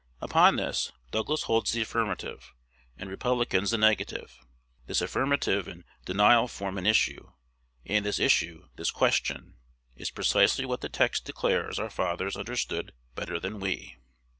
Upon this, Douglas holds the affirmative, and Republicans the negative. This affirmative and denial form an issue; and this issue, this question, is precisely what the text declares our fathers understood better than we.